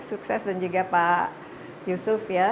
sukses dan juga pak yusuf ya